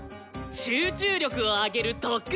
集中力を上げる特訓さ！